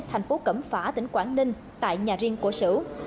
thành phố cẩm phả tỉnh quảng ninh tại nhà riêng của sử